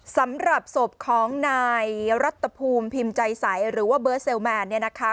สำหรับศพของนายรัตภูมิพิมพ์ใจใสหรือว่าเบิร์ตเซลแมนเนี่ยนะคะ